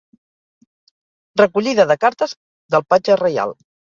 Recollida de cartes del Patge Reial.